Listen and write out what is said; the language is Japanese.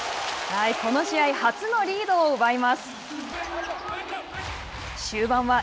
この試合初のリードを奪います。